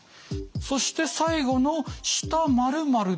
そして最後の「下○」。